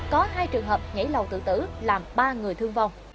có hai trường hợp nhảy lầu tự tử làm ba người thương vong